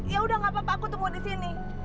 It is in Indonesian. yaudah gak apa apa aku tunggu disini